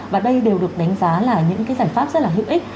và đây đều được đánh giá là những cái giải pháp rất là hữu ích